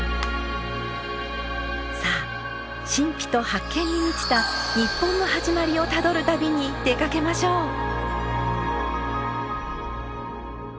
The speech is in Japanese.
さあ神秘と発見に満ちた日本の始まりをたどる旅に出かけましょう！